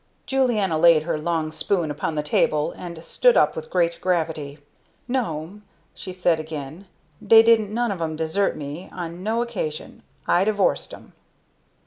Julianna laid her long spoon upon the table and stood up with great gravity. "No'm," she said again, "dey didn't none of 'em desert me on no occasion. I divorced 'em."